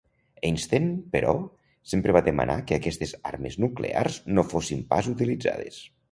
Einstein, però, sempre va demanar que aquestes armes nuclears no fossin pas utilitzades.